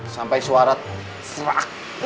sampai suara serak